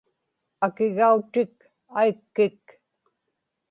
akigautik aikkik